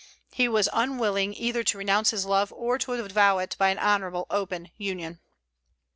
He was unwilling either to renounce his love, or to avow it by an honorable, open union.